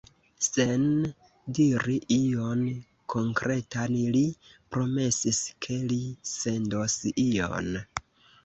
Sen diri ion konkretan, li promesis, ke li sendos ion.